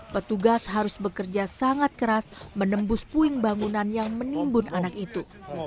petugas harus bekerja sangat keras menembus puing bangunan yang menimbun anak itu